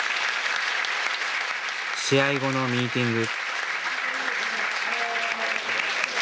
試合後のミーティング。